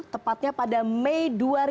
tepatnya pada mei dua ribu empat belas